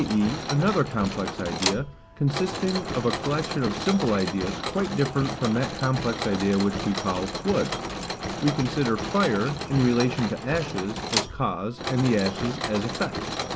e., another complex idea, consisting of a collection of simple ideas, quite different from that complex idea which we call wood; we consider fire, in relation to ashes, as cause, and the ashes, as effect.